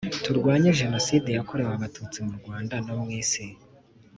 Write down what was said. Tugwanye genoside y’ akorewe abatitsi mu Rwanda no mw ‘ isi